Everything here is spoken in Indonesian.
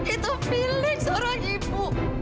itu perasaan seorang ibu